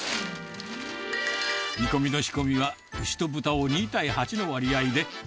煮込みの仕込みは、牛と豚を２対８の割合で。